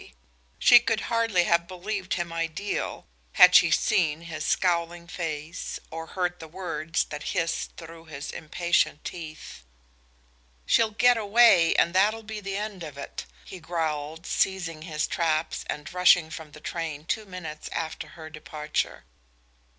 She could hardly have believed him ideal had she seen his scowling face or heard the words that hissed through his impatient teeth. "She'll get away, and that'll be the end of it," he growled, seizing his traps and rushing from the train two minutes after her departure.